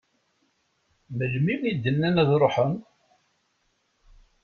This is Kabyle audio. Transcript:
Melmi i d-nnan ad d-ruḥen?